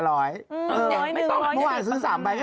ไม่ต้องไม่ต้องไม่ต้องเมื่อวานซื้อ๓ใบแค่๓๐๐